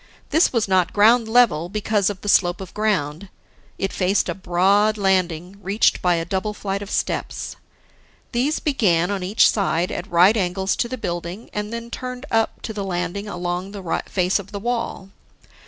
This was not ground level, because of the slope of ground; it faced a broad landing, reached by a double flight of steps. These began on each side at right angles to the building and then turned up to the landing along the face of the wall.